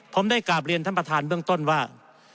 ผมได้กราบเรียนท่านประธานเบื้องต้นว่า